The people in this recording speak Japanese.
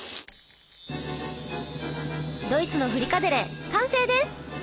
ドイツのフリカデレ完成です！